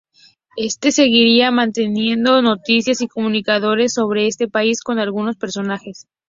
Este seguiría manteniendo noticias y comunicaciones sobre este país con algunos personajes.